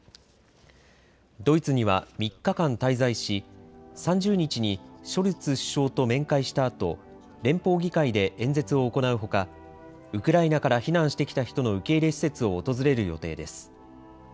ドイツには３日間滞在し３０日にショルツ首相と面会したあと、連邦議会で演説を行うほか、ウクライナから避難してきた人の受け入れ施設を訪れる予定です。